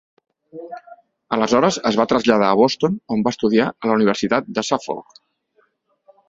Aleshores es va traslladar a Boston, on va estudiar a la Universitat de Suffolk.